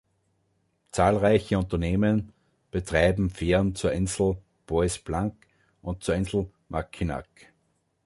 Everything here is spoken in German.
Zahlreiche Unternehmen betreiben Fähren zur Insel Bois Blanc und zur Insel Mackinac.